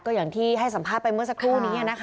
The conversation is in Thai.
อย่างที่ให้สัมภาษณ์ไปเมื่อสักครู่นี้